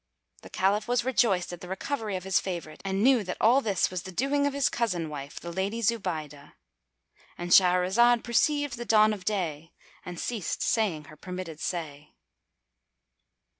The Caliph was rejoiced at the recovery of his favourite and knew that all this was the doing of his cousin wife, the Lady Zubaydah,—And Shahrazad perceived the dawn of day and ceased saying her permitted say.